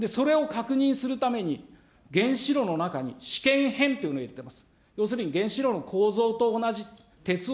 それを確認するために、原子炉の中に、試験片と言っています。